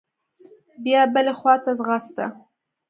بيا بلې خوا ته ځغسته.